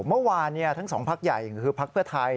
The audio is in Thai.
เมื่อวานทั้งสองพักใหญ่คือพักเพื่อไทย